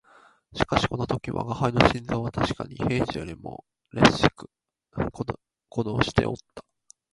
しかしこの時吾輩の心臓はたしかに平時よりも烈しく鼓動しておった